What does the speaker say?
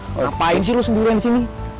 ngapain sih lo semburan disini